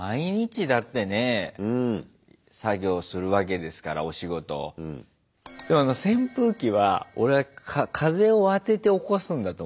でもあの扇風機は俺風を当てて起こすんだと思ってたの。